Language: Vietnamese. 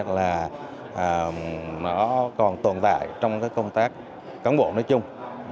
là nó còn tồn tại trong công tác cán bộ nói chung